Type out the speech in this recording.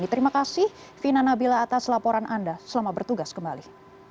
terima kasih vina nabila atas laporan anda selamat bertugas kembali